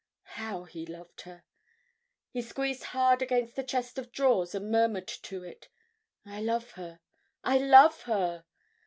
How he loved her! He squeezed hard against the chest of drawers and murmured to it, "I love her, I love her!"